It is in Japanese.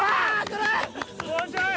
もうちょい！